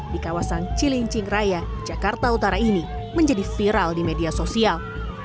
di kawasan cilincing raya jakarta utara ini menjadi viral di media sosial